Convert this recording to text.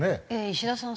石田さん